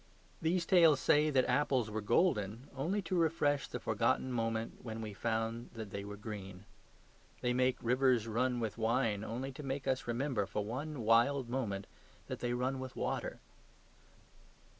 These tales say that apples were golden only to refresh the forgotten moment when we found that they were green. They make rivers run with wine only to make us remember, for one wild moment, that they run with water.